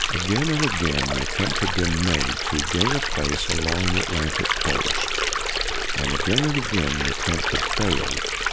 Again and again, the attempt had been made to gain a place along the Atlantic coast; and again and again the attempt had failed.